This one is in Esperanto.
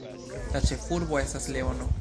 La ĉefurbo estas Leono.